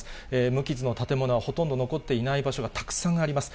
無傷の建物はほとんど残っていない場所がたくさんあります。